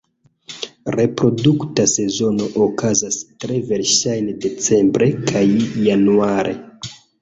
Reprodukta sezono okazas tre verŝajne decembre kaj januare.